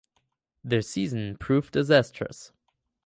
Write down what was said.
The season proved disastrous.